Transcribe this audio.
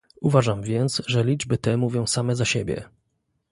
Uważam więc, że liczby te mówią same za siebie